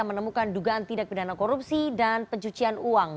menemukan dugaan tindak pidana korupsi dan pencucian uang